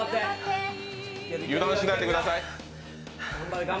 油断しないでください。